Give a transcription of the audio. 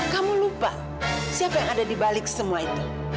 kamu lupa siapa yang ada di balik semua itu